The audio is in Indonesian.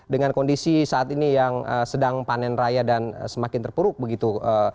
dengan kondisi saat ini yang sedang panen raya dan semakin terpuruk begitu